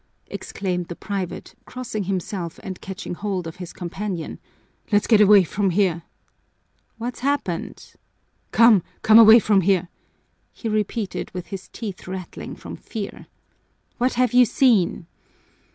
_" exclaimed the private, crossing himself and catching hold of his companion. "Let's get away from here." "What's happened?" "Come, come away from here," he repeated with his teeth rattling from fear. "What have you seen?"